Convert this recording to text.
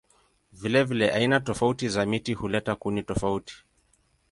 Vilevile aina tofauti za miti huleta kuni tofauti.